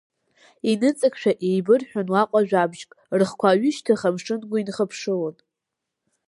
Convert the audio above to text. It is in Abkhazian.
Иныҵакшәа еибырҳәон уаҟа жәабжьк, рыхқәа ҩышьҭых амшынгәы инхыԥшылон.